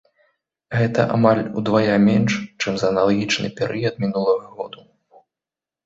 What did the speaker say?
Гэта амаль удвая менш, чым за аналагічны перыяд мінулага году.